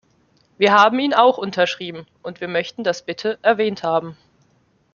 Wir haben ihn auch unterschrieben, und wir möchten das bitte erwähnt haben.